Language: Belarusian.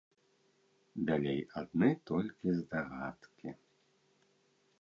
Далей адны толькі здагадкі.